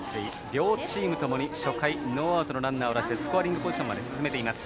両チームともに初回ノーアウトのランナーを出してスコアリングポジションまで進めています。